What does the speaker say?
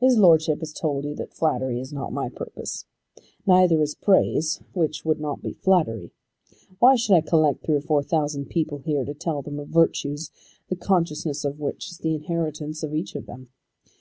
His Lordship has told you that flattery is not my purpose. Neither is praise, which would not be flattery. Why should I collect three or four thousand people here to tell them of virtues the consciousness of which is the inheritance of each of them?